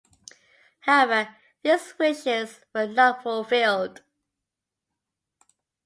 However, these wishes were not fulfilled.